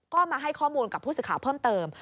ก็มาให้ข้อมูลกับผู้สื่อข่าวเพิ่มเติม